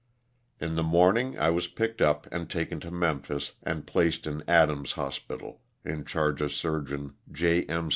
In the morning I was picked up and taken to Memphis and placed in Adam's Hospital in charge of Surgeon J. M.